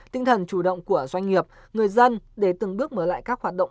tinh thần chủ động của doanh nghiệp người dân để từng bước mở lại các hoạt động